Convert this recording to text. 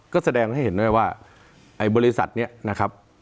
ก็แสดงให้เห็นด้วยว่าไอ้บริษัทนี้นะครับ